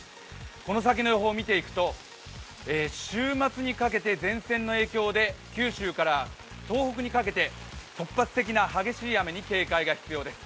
この先の予報を見ていくと、週末にかけて前線の影響で九州から東北にかけて突発的な激しい雨に警戒が必要です。